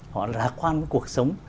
họ lạc quan với cuộc sống